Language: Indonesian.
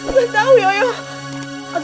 gak tau yuyun